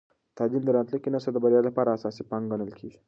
تعلیم د راتلونکي نسل د بریا لپاره اساسي پانګه ګڼل کېږي.